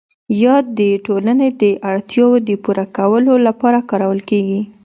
یا د ټولنې د اړتیاوو د پوره کولو لپاره کارول کیږي؟